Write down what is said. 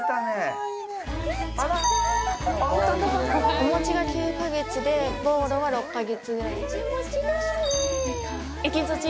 おもちが９か月でボーロは６か月ぐらい。